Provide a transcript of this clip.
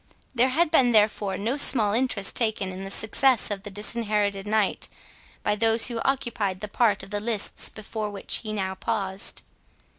There had been therefore no small interest taken in the success of the Disinherited Knight, by those who occupied the part of the lists before which he now paused.